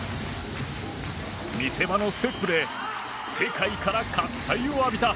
見せ場のステップで世界から喝采を浴びた。